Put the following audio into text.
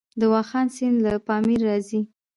د واخان سیند له پامیر راځي